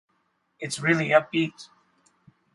It’s really upbeat.